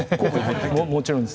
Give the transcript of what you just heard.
もちろんです。